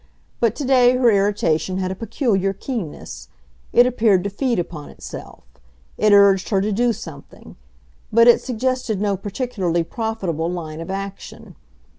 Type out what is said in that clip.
But today her irritation had a peculiar keenness; it appeared to feed upon itself. It urged her to do something; but it suggested no particularly profitable line of action.